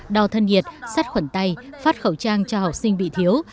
đo thân nhiệt sắt khuẩn tay phát khẩu trang cho học sinh bị thiếu